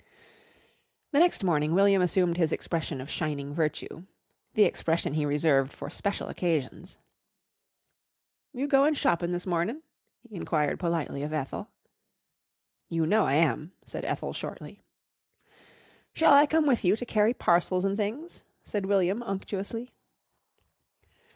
The next morning William assumed his expression of shining virtue the expression he reserved for special occasions. "You goin' shoppin' this mornin'?" he inquired politely of Ethel. "You know I am," said Ethel shortly. "Shall I come with you to carry parcels an' things?" said William unctuously.